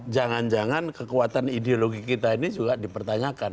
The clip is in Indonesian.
jangan jangan kekuatan ideologi kita ini juga dipertanyakan